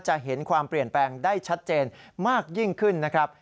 จะเห็นความเปลี่ยนแปลงได้ชัดเจนมากยิ่งขึ้นนะครับ